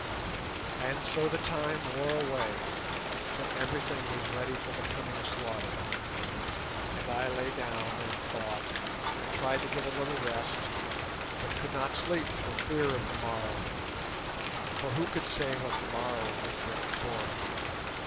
And so the time wore away, till everything was ready for the coming slaughter; and I lay down and thought, and tried to get a little rest, but could not sleep for fear of the morrow—for who could say what the morrow would bring forth?